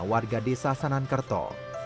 warga desa sanankerto